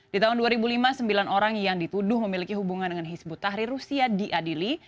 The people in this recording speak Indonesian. di tahun dua ribu lima sembilan orang yang dituduh memiliki hubungan dengan hizbut tahrir rusia diadili